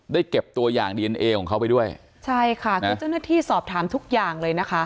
เก็บตัวอย่างดีเอนเอของเขาไปด้วยใช่ค่ะคือเจ้าหน้าที่สอบถามทุกอย่างเลยนะคะ